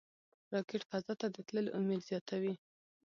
راکټ فضا ته د تللو امید زیاتوي